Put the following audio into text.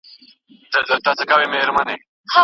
ما په خپل کتاب کي د کره کتني یادونه وکړه.